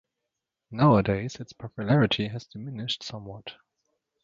Nowadays, its popularity has diminished somewhat.